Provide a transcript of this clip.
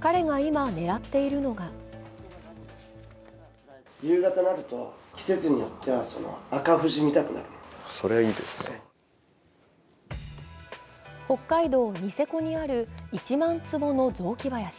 彼が今狙っているのが北海道ニセコにある１万坪の雑木林。